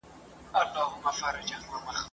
ماته تر لحده خپل نصیب قفس لیکلی دی ..